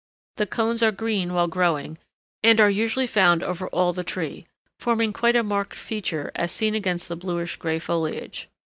The cones are green while growing, and are usually found over all the tree, forming quite a marked feature as seen against the bluish gray foliage.